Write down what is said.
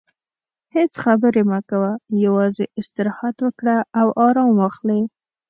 هیڅ خبرې مه کوه، یوازې استراحت وکړه او ارام واخلې.